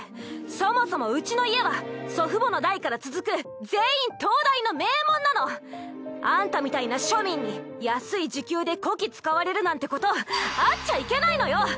そもそもうちの家は祖父母の代から続く全員東大の名門なの！あんたみたいな庶民に安い時給でこき使われるなんてことあっちゃいけないのよ！